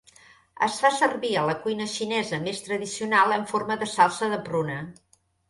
Es fa servir a la cuina xinesa més tradicional en forma de salsa de pruna.